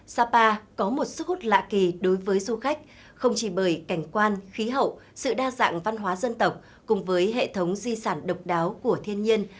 sapa có một sức hút lạ kỳ đối với du khách không chỉ bởi cảnh quan khí hậu sự đa dạng văn hóa dân tộc cùng với hệ thống di sản độc đáo của thiên nhiên